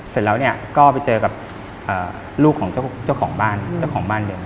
เสร็จแล้วเนี่ยก็ไปเจอกับลูกของเจ้าของบ้านเจ้าของบ้านเดิม